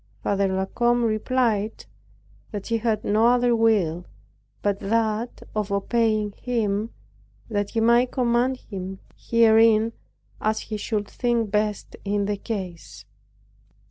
Father La Combe replied that he had no other will but that of obeying him, and that he might command him herein as he should think best in the case.